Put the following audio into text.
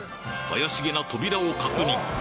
怪しげなトビラを確認